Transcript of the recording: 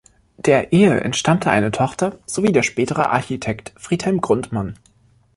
Der Ehe entstammte eine Tochter sowie der spätere Architekt Friedhelm Grundmann.